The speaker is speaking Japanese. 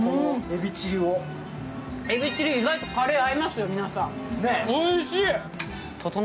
えびチリ、意外とカレー合いますよ、皆さん。